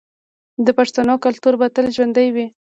د پښتنو کلتور به تل ژوندی وي.